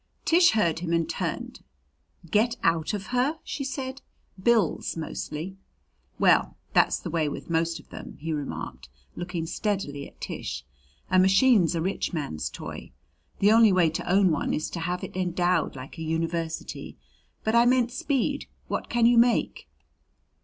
Tish heard him and turned. "Get out of her?" she said. "Bills mostly." "Well, that's the way with most of them," he remarked, looking steadily at Tish. "A machine's a rich man's toy. The only way to own one is to have it endowed like a university. But I meant speed. What can you make?"